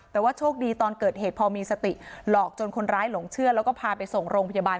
แต่ว่าโชคดีตอนเกิดเหตุพอมีสติหลอกจนคนร้ายหลงเชื่อแล้วก็พาไปส่งโรงพยาบาล